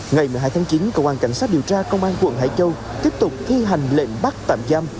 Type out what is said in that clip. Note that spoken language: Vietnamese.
ngày một mươi hai tháng chín công an cảnh sát điều tra công an quận hải châu tiếp tục thi hành lệnh bắt tạm giam